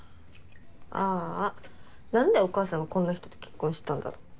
ああなんでお母さんはこんな人と結婚したんだろ。